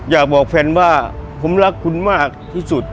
อยากบอกแฟนว่าผมรักคุณมากที่สุด